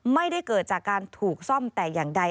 ไม่ได้เกิดจากการถูกซ่อมแต่อย่างใด